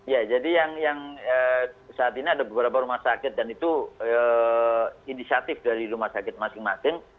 ya jadi yang saat ini ada beberapa rumah sakit dan itu inisiatif dari rumah sakit masing masing